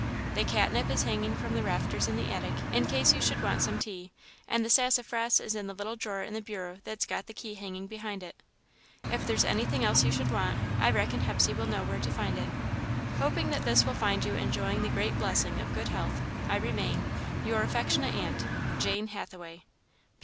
The catnip is hanging from the rafters in the attic, in case you should want some tea, and the sassafras is in the little drawer in the bureau that's got the key hanging behind it. "If there's anything else you should want, I reckon Hepsey will know where to find it. Hoping that this will find you enjoying the great blessing of good health, I remain, "Your Affectionate Aunt, "JANE HATHAWAY.